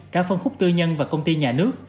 cả phân khúc tư nhân và công ty nhà nước